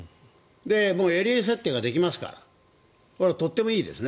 エリア設定ができますからとってもいいですね。